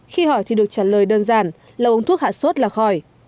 khi hỏi thì được trả lời đơn giản là uống thuốc hạ sốt là khỏi